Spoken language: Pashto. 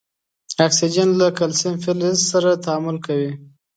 اکسیجن له کلسیم فلز سره تعامل کوي.